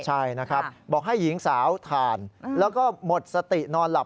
ใช่นะครับบอกให้หญิงสาวทานแล้วก็หมดสตินอนหลับ